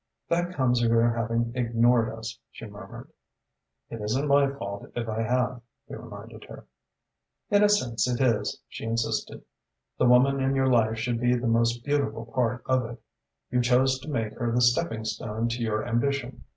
"That comes of your having ignored us," she murmured. "It isn't my fault if I have," he reminded her. "In a sense it is," she insisted. "The woman in your life should be the most beautiful part of it. You chose to make her the stepping stone to your ambition.